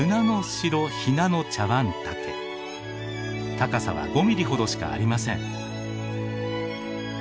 高さは５ミリほどしかありません。